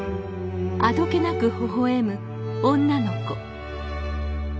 あどけなくほほ笑む女の子。